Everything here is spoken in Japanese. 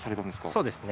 そうですね。